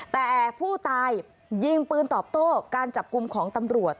แต่ผู้ตายยิงปืนตอบโต้การจับกลุ่มของตำรวจ